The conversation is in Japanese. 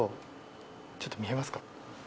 ちょっと見えますか？